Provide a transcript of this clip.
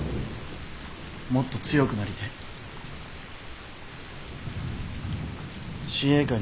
もっと強くなりてえ。